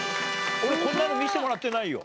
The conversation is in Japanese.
俺こんなの見せてもらってないよ。